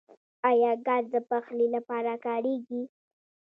آیا ګاز د پخلي لپاره کاریږي؟